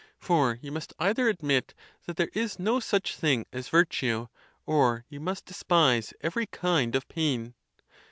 — For you must either admit that there is no such thing as virtue, or you must despise every kind of pain.